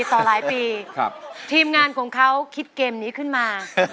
ต่อหลายปีทีมงานของเขาคิดเกมนี้ขึ้นมา